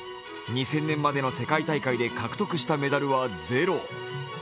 ２０００年までの世界大会で獲得したメダルはゼロ。